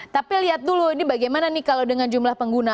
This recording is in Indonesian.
tapi lihat dulu ini bagaimana nih kalau dengan jumlah pengguna